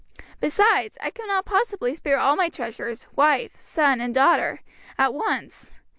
Besides, I cannot possibly spare all my treasures wife, son, and daughter at once.